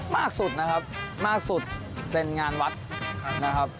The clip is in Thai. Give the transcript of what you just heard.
มากสุดนะครับมากสุดเป็นงานวัดนะครับ